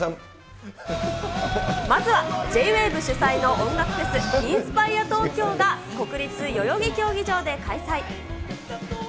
まずはＪＷＡＶＥ主催の音楽フェス、インスパイアトーキョーが国立代々木競技場で開催。